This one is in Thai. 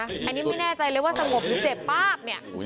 อันนี้ไม่แน่ใจเลยว่าสงบยังเจ็บป้าบ